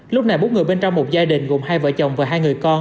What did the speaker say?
lúc này bốn người bên trong một gia đình gồm hai vợ chồng và hai người con